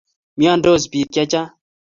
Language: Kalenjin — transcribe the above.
Miandos piik che chang'